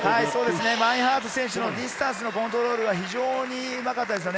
マインハート選手のディスタンスのコントロールが非常にうまかったです。